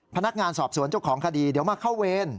พนักงานสอบสวนเจ้าของคดีเดี๋ยวมาเข้าเวร